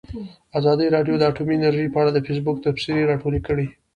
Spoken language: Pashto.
ازادي راډیو د اټومي انرژي په اړه د فیسبوک تبصرې راټولې کړي.